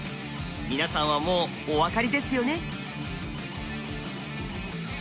皆さんはもうお分かりですよね？